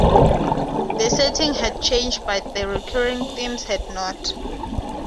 The setting had changed but the recurring themes had not.